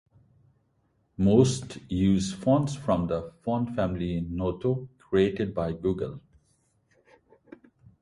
Most use fonts from the font family Noto, created by Google.